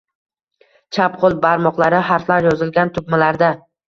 Chap qo’l barmoqlari harflar yozilgan tugmalarda